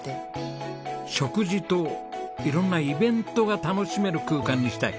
食事と色んなイベントが楽しめる空間にしたい。